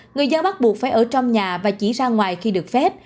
người dân bắt buộc phải ở trong nhà và chỉ ra ngoài khi được phép